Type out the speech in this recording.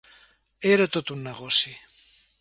Era tot un negoci.